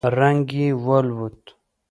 رنگ يې والوت.